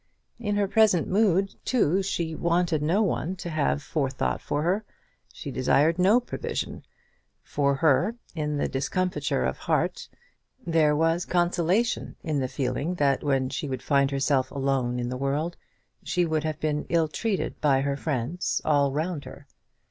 In her present mood, too, she wanted no one to have forethought for her; she desired no provision; for her, in the discomfiture of heart, there was consolation in the feeling that when she should find herself alone in the world, she would have been ill treated by her friends all round her.